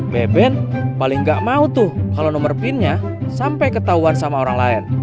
beben paling nggak mau tuh kalau nomor pinnya sampai ketahuan sama orang lain